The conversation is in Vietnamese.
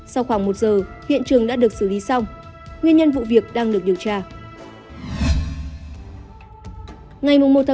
sau khoảng một giờ hiện trường đã được xử lý xong nguyên nhân vụ việc đang được điều tra